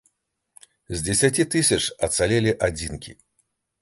З дзесяці тысяч ацалелі адзінкі.